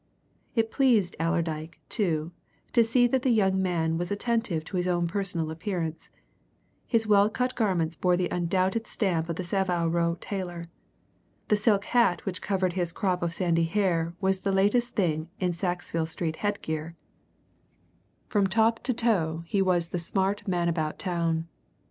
It pleased Allerdyke, too, to see that the young man was attentive to his own personal appearance his well cut garments bore the undoubted stamp of the Savile Row tailor; the silk hat which covered his crop of sandy hair was the latest thing in Sackville Street headgear; from top to toe he was the smart man about town.